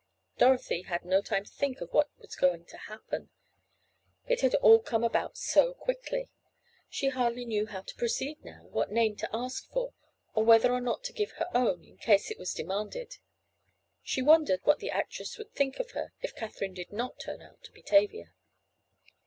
Dorothy had no time to think of what was going to happen. It had all come about so quickly—she hardly knew how to proceed now—what name to ask for—or whether or not to give her own in case it was demanded. She wondered what the actress would think of her if Katherine did not turn out to be Tavia.